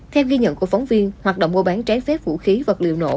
theo ghi nhận của phóng viên hoạt động mua bán trái phép vũ khí vật liệu nổ